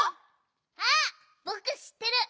あっぼくしってる！